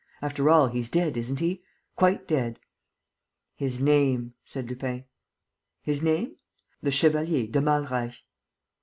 "After all, he's dead, isn't he? Quite dead." "His name," said Lupin. "His name? The Chevalier de Malreich."